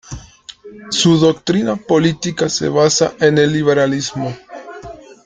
Su doctrina política se basa en el liberalismo.